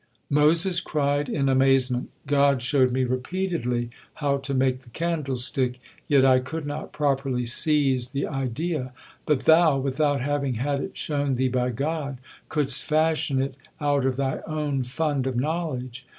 Moses cried in amazement: "God showed me repeatedly how to make the candlestick, yet I could not properly seize the idea; but thou, without having had it shown thee by God, couldst fashion it out of thy own fund of knowledge.